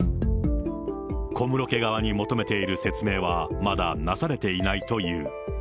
小室家側に求めている説明は、まだなされていないという。